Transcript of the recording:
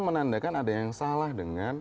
menandakan ada yang salah dengan